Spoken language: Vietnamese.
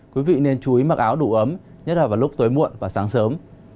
quý vị nên chú ý mặc áo đủ ấm nhất là vào lúc tối muộn và sáng sớm